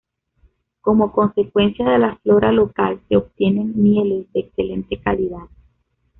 Como consecuencia de la flora local se obtienen mieles de excelente calidad.